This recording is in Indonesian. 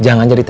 jangan jadi tkw